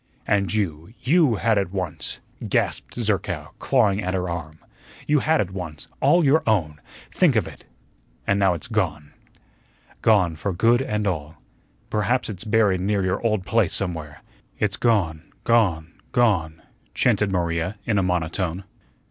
"And you, YOU had it once," gasped Zerkow, clawing at her arm; "you had it once, all your own. Think of it, and now it's gone." "Gone for good and all." "Perhaps it's buried near your old place somewhere." "It's gone gone gone," chanted Maria in a monotone.